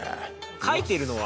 描いているのは。